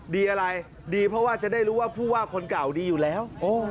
ดีอะไรดีเพราะว่าจะได้รู้ว่าผู้ว่าคนเก่าดีอยู่แล้ว